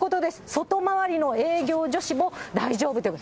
外回りの営業女子も大丈夫という、